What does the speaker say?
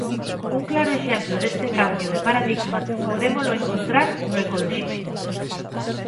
Un claro exemplo deste cambio de paradigma podémolo encontrar no ecoloxismo.